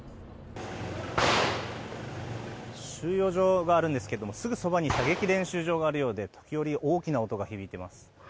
収容所があるんですがすぐそばに射撃練習場があるようで時折、大きな音が響いています。